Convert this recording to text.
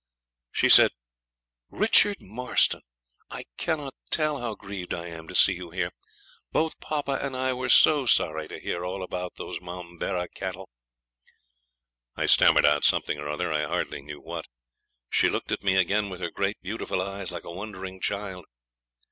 She said 'Richard Marston, I cannot tell how grieved I am to see you here. Both papa and I were so sorry to hear all about those Momberah cattle.' I stammered out something or other, I hardly knew what. She looked at me again with her great beautiful eyes like a wondering child.